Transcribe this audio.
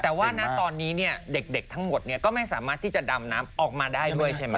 แต่ว่านะตอนนี้เนี่ยเด็กทั้งหมดก็ไม่สามารถที่จะดำน้ำออกมาได้ด้วยใช่ไหม